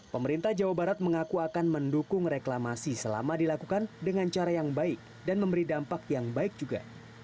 pemerintah jawa barat mengaku akan mendukung reklamasi selama dilakukan dengan cara yang baik dan memberi dampak yang baik juga